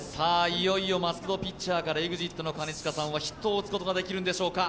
いよいよマスク・ド・ピッチャーからＥＸＩＴの兼近さんはヒットを打つことができるんでしょうか。